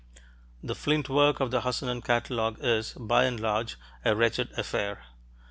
The flint work of the Hassunan catalogue is, by and large, a wretched affair.